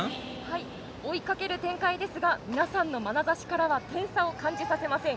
追いかける展開ですが皆さんのまなざしからは点差を感じさせません